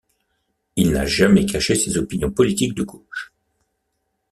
Il n'a jamais caché ses opinions politiques de gauche.